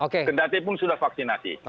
kendantepun sudah vaksinasi